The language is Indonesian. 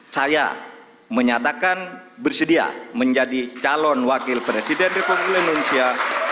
saya menyatakan bersedia menjadi calon wakil presiden republik indonesia